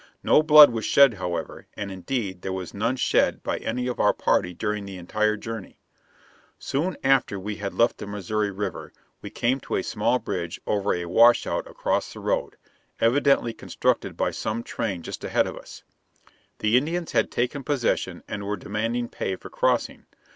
No blood was shed, however, and indeed there was none shed by any of our party during the entire journey. [Illustration: Demanding pay for crossing.] Soon after we had left the Missouri River we came to a small bridge over a washout across the road, evidently constructed by some train just ahead of us. The Indians had taken possession and were demanding pay for crossing.